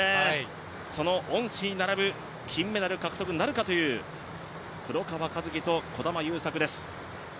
その恩師に並ぶ金メダル獲得なるかという黒川和樹と児玉悠作です。